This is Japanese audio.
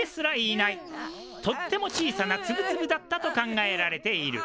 とっても小さなツブツブだったと考えられている。